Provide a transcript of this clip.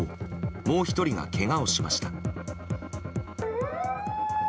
もう１人が、けがをしました。